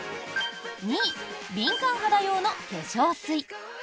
２位敏感肌用の化粧水。